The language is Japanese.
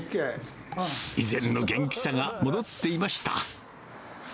以前の元気さが戻っていました。